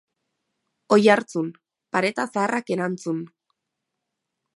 Oiartzun: pareta zaharrak erantzun.